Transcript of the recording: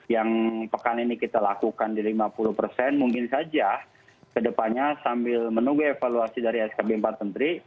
yang pekan ini kita lakukan di lima puluh persen mungkin saja ke depannya sambil menunggu evaluasi dari skb empat menteri